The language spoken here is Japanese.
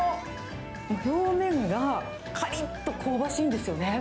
表面がかりっと香ばしいんですよね。